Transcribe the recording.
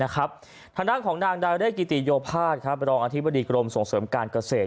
ทางด้านของนางดาเรกิติโยภาษรองอธิบดีกรมส่งเสริมการเกษตร